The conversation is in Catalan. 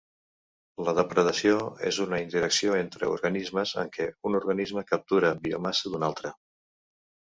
La depredació és una interacció entre organismes en què un organisme captura biomassa d'un altre.